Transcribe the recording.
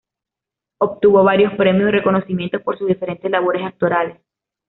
Obtuvo varios premios y reconocimientos por sus diferentes labores actorales.